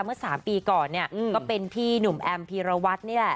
เมื่อ๓ปีก่อนเนี่ยก็เป็นพี่หนุ่มแอมพีรวัตรนี่แหละ